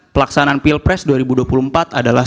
pelaksanaan pilpres dua ribu dua puluh empat adalah